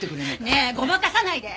ねえごまかさないで。